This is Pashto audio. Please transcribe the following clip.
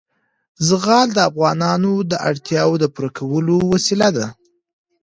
زغال د افغانانو د اړتیاوو د پوره کولو وسیله ده.